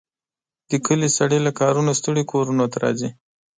د کلي سړي له کارونو ستړي کورونو ته راځي.